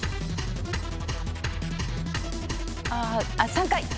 ３回。